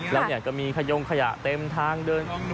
แล้วก็มีขยงขยะเต็มทางเดิน